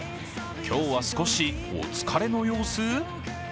今日は少しお疲れの様子？